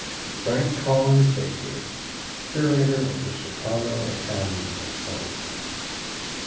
FRANK COLLINS BAKER, Curator of the Chicago Academy of Sciences.